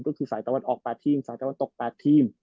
ก็คือสายตะวันออก๘ทีมสายตะวันตก๘ทีม